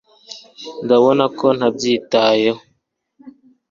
ndabona ko ntabyitayeho